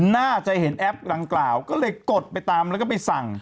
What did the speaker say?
น่าจะเห็นแอปดังกล่าวก็เลยกดไปตามแล้วก็ไปสั่ง